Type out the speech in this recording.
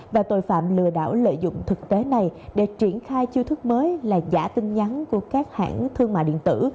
và tội phạm lừa đảo lợi dụng thực tế này để triển khai chiêu thức mới là giả tin nhắn của các hãng thương mại điện tử